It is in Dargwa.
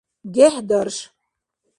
гехӀдарш